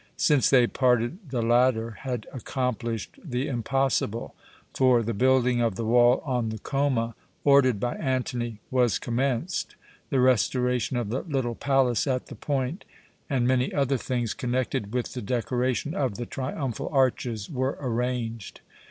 Since they parted the latter had accomplished the impossible; for the building of the wall on the Choma, ordered by Antony, was commenced, the restoration of the little palace at the point, and many other things connected with the decoration of the triumphal arches, were arranged.